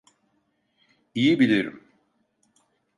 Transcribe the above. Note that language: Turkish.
İyi bilirim.